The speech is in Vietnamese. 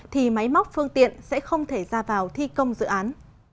thì máy móc phương tiện sẽ không thể ra vào thi công dự án